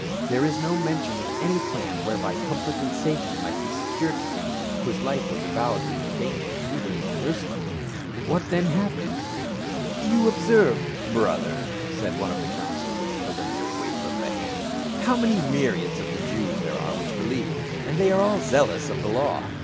There is no mention of any plan whereby comfort and safety might be secured to him whose life was avowedly in danger even in Jerusalem. What then happened ?" You observe, brother," said one of the council,* with a preliminary wave of the hand, " how many myriads of the Jews there are which believe, and they are all zealous of the law.